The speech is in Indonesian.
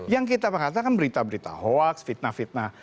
yang kita katakan berita berita hoax fitnah fitnah